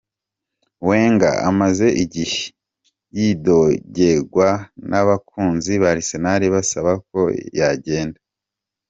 Wenger amaze igihe yidogegwa n'abakunzi ba Arsenal basaba ko yogenda.